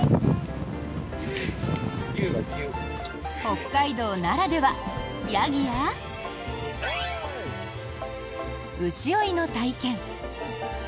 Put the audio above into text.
北海道ならでは、ヤギや牛追いの体験。